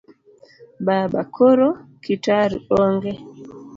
Baba:koro? Kitaru: ong'e